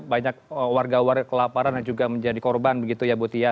banyak warga warga kelaparan dan juga menjadi korban begitu ya bu tia